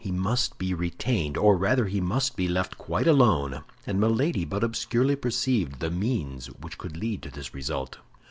He must be retained, or rather he must be left quite alone; and Milady but obscurely perceived the means which could lead to this result.